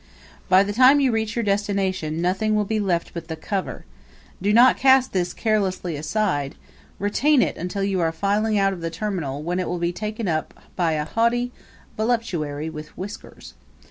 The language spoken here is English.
By the time you reach your destination nothing will be left but the cover; but do not cast this carelessly aside; retain it until you are filing out of the terminal, when it will be taken up by a haughty voluptuary with whiskers.